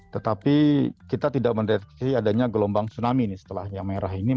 tetapi kita tidak mendeteksi adanya gelombang tsunami nih setelah yang merah ini